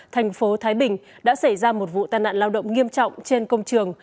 thành phố thái bình đã xảy ra một vụ tai nạn lao động nghiêm trọng trên công trường